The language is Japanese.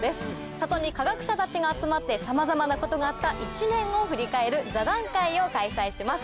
里に科学者たちが集まってさまざまなことがあった一年を振り返る座談会を開催します。